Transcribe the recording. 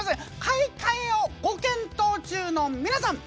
買い替えをご検討中の皆さん